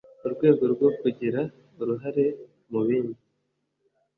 mu rwego rwo kugira uruhare mubindi